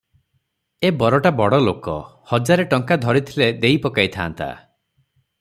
ଏ ବରଟା ବଡ଼ଲୋକ, ହଜାରେ ଟଙ୍କା ଧରିଥିଲେ ଦେଇ ପକାଇଥାନ୍ତା ।